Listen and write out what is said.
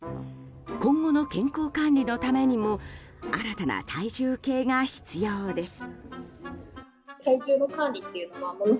今後の健康管理のためにも新たな体重計が必要です。